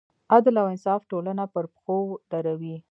عدل او انصاف ټولنه پر پښو دروي.